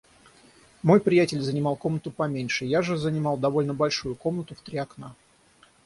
Мой приятель занимал комнату поменьше, я же занимал довольно большую комнату, в три окна.